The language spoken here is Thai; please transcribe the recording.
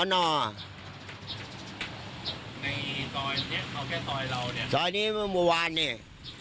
ในสอยนี้เขาแค่สอยเราเนี่ยสอยนี้มันมุมวานเนี่ย